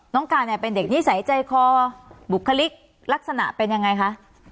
น้องกาเป็นเด็กนี้ทรยายใจความบุขฤทธิ์รักษณะเป็นอย่างไรคะ